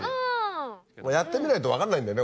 やってみないと分かんないんだよね